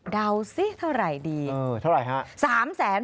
เดาสิเท่าไหร่ดีเท่าไหร่ครับ